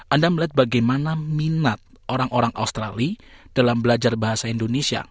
anda melihat bagaimana minat orang orang australia dalam belajar bahasa indonesia